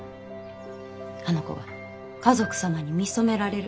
あの子が華族様に見初められる。